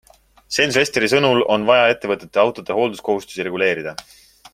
Sven Sesteri sõnul on vaja ettevõtete autode hoolduskohustusi reguleerida.